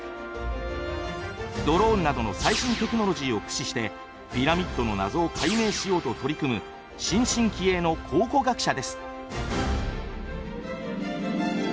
ドローンなどの最新テクノロジーを駆使してピラミッドの謎を解明しようと取り組む新進気鋭の考古学者です。